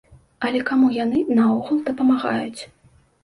Але каму яны наогул дапамагаюць.